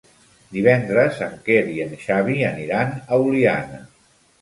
Divendres en Quer i en Xavi aniran a Oliana.